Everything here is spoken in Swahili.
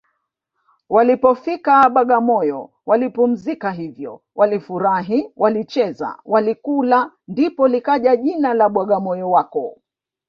Walipofika Bagamoyo walipumzika hivyo walifurahi walicheza walikula ndipo likaja jina la bwagamoyo wako